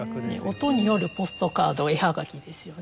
音によるポストカード絵はがきですよね。